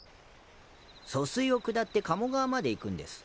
疎水を下って鴨川まで行くんです。